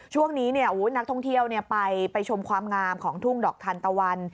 ช่วงนี้นักท่องเที่ยวไปชมความงามของทุ่งดอกทันตะวัน